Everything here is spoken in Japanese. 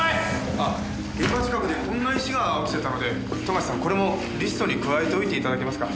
あっ現場近くでこんな石が落ちてたので冨樫さんこれもリストに加えておいて頂けますか？